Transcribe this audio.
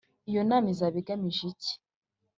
Iyo nama izaba igamije iki